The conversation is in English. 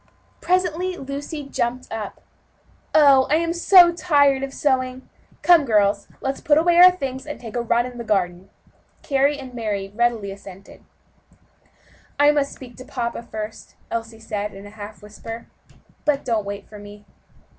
Presently Lucy jumped up. "Oh! I am so tired sewing; come, girls, let's put on our things, and take a run in the garden." Carry and Mary readily assented. "I must speak to papa first," Elsie said in a half whisper, "but don't wait for me."